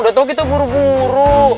udah tau kita buru buru